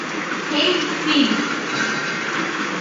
হেই, ফিন।